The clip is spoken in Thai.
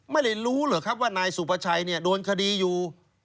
ไม่ได้รู้เหรอครับว่านายสุประชัยโดนคดีอยู่